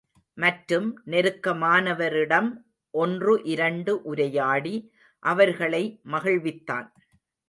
மற்றும் நெருக்கமானவரிடம் ஒன்று இரண்டு உரையாடி அவர்களை மகிழ்வித்தான்.